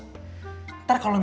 ini hadiah buat anak ghost